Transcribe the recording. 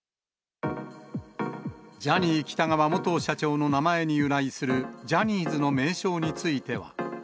ジャニー喜多川元社長の名前に由来するジャニーズの名称については。